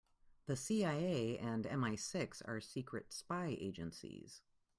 The CIA and MI-Six are secret spy agencies.